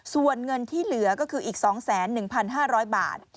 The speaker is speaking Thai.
ส่วนเงินที่เหลือก็คืออีกสองแสนหนึ่งพันห้าร้อยบาท